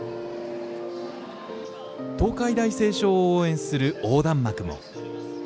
東海大星翔を応援する横断幕も。